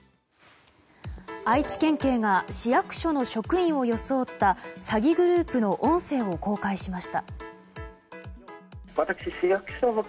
愛知県警が市役所の職員を装った詐欺グループの音声を公開しました。